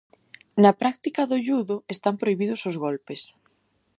Na práctica do judo están prohibidos os golpes.